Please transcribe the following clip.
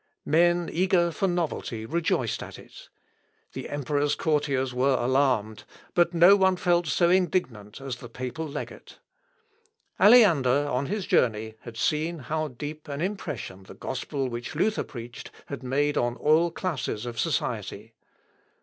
Men eager for novelty rejoiced at it. The emperor's courtiers were alarmed, but no one felt so indignant as the papal legate. Aleander on his journey had seen how deep an impression the gospel which Luther preached had made on all classes of society.